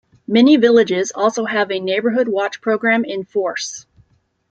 Many villages also have a Neighborhood Watch program in force.